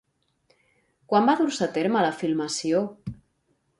Quan va dur-se a terme la filmació?